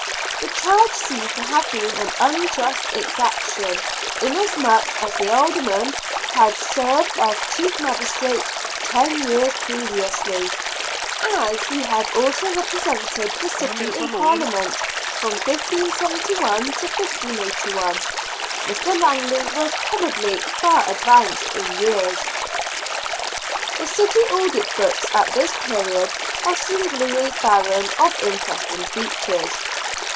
The charge seems to have been an unjust exaction, inasmuch as the Alderman had served as chief magistrate ten years previously. As he had also represented the city in Parliament from 1571 to 1581, Mr. Langley was probably far advanced in years. The city audit books at this period are singularly barren of interesting features.